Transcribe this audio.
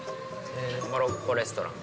モロッコレストラン。